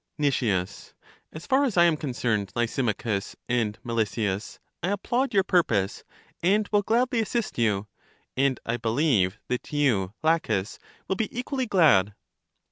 LACHES 89 Nic, As far as I am concerned, Lysimachus and Melesias, I applaud your purpose, and will gladly assist you; and I believe that you, Laches, will be equally glad.